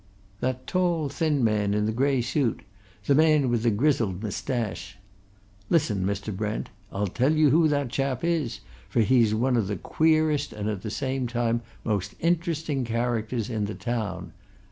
That tall, thin man, in the grey suit, the man with the grizzled moustache. Listen, Mr. Brent; I'll tell you who that chap is, for he's one of the queerest and at the same time most interesting characters in the town.